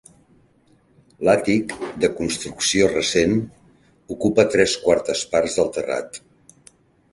L'àtic, de construcció recent, ocupa tres quartes parts del terrat.